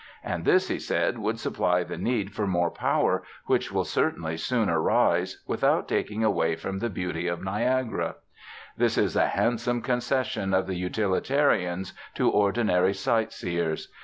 And this, he said, would supply the need for more power, which will certainly soon arise, without taking away from the beauty of Niagara. This is a handsome concession of the utilitarians to ordinary sight seers.